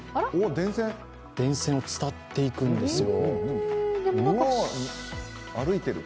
電線を伝っていくんですよ。